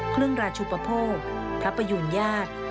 เคลื่องราชุปโภคพระปยุญญาติ